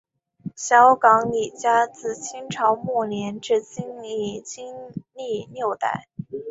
小港李家自清朝末年至今已经历六代。